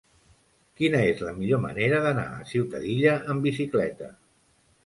Quina és la millor manera d'anar a Ciutadilla amb bicicleta?